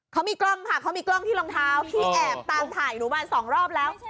เขามีกล้องค่ะเขามีกล้องที่รองเท้าพี่แอบตามถ่ายหนูมาสองรอบแล้ว